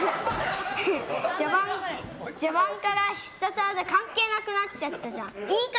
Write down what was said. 序盤から必殺技関係なくなっちゃったじゃん。